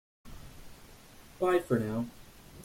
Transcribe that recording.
Bye for now!